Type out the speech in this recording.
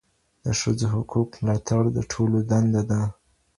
د ښځو حقونو ملاتړ د ټولو دنده ده.